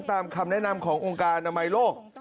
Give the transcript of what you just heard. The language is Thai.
คำแนะนำขององค์การอนามัยโลก